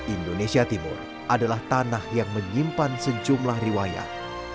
indonesia timur adalah tanah yang menyimpan sejumlah riwayat